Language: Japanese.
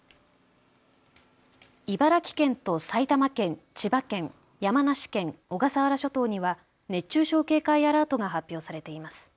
茨城県と埼玉県、千葉県、山梨県、小笠原諸島には熱中症警戒アラートが発表されています。